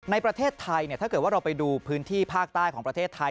ในประเทศไทยถ้าเกิดว่าเราไปดูพื้นที่ภาคใต้ของประเทศไทย